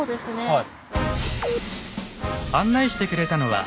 はい。